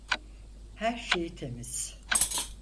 Her şey temiz.